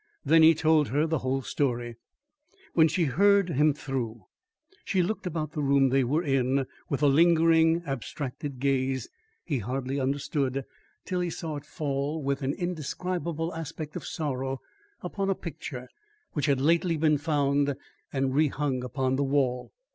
Then he told her the whole story. When she had heard him through, she looked about the room they were in, with a lingering, abstracted gaze he hardly understood till he saw it fall with an indescribable aspect of sorrow upon a picture which had lately been found and rehung upon the wall.